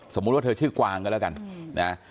สมมุติว่าเธอชื่อกวางก็แล้วกัน